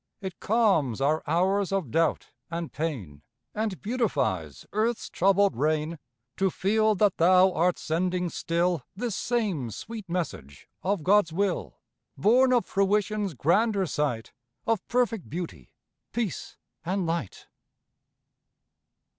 It calms our hours of doubt and pain, And beautifies earth's troubled reign, To feel that thou art sending still This same sweet message of God's will, Born of fruition's grander sight, Of perfect beauty, peace, and light.